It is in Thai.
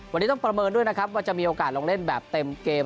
วันนี้ต้องประเมินด้วยนะครับว่าจะมีโอกาสลงเล่นแบบเต็มเกม